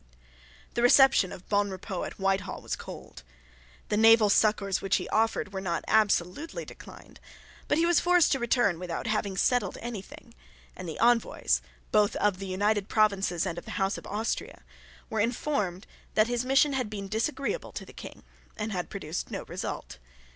The reception of Bonrepaux at Whitehall was cold. The naval succours which he offered were not absolutely declined; but he was forced to return without having settled anything; and the Envoys, both of the United Provinces and of the House of Austria, were informed that his mission had been disagreeable to the King and had produced no result.